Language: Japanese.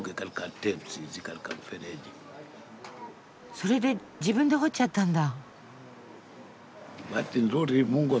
それで自分で掘っちゃったんだ。